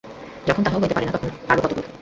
যখন তাহাও হইতে পারে না, তখন আরও কত দূর!